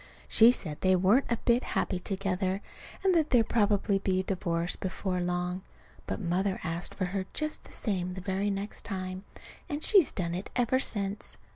She said they weren't a bit happy together, and that there'd probably be a divorce before long. But Mother asked for her just the same the very next time. And she's done it ever since.